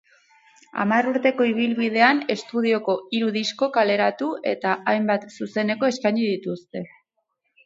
Hamar urteko ibilbidean estudioko hiru disko kaleratu eta hainbat zuzeneko eskaini dituzte.